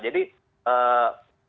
jadi saya terlihat